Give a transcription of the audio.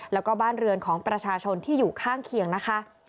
แล้วก็บ้านเรือนของประชาชนที่อยู่ข้างเคียงนะคะ